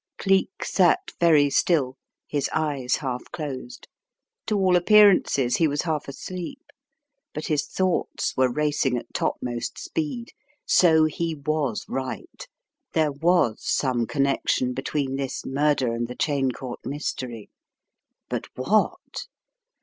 Cleek sat very still, his eyes half closed. To all appearances he was half asleep. But his thoughts were racing at topmost speed. So he was right. There was some connection between this murder and the Cheyne Court mystery; but what?